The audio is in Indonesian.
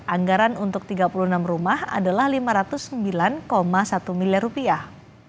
anggaran untuk tiga puluh enam rumah adalah lima ratus sembilan satu miliar rupiah